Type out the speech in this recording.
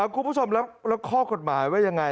คุณผู้ชมแล้วข้อกฎหมายว่ายังไง